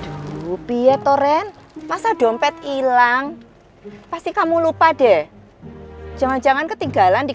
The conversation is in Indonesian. dupie toren masa dompet hilang pasti kamu lupa deh jangan jangan ketikalan deh ya pak